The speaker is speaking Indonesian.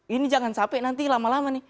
ini jangan sampai nanti lama lama nih